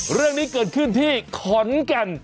เรื่องนี้เกิดขึ้นที่ขอนแก่น